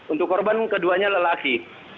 untuk korban keduanya lelaki